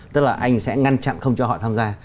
tức là anh sẽ ngăn chặn không cho họ tham gia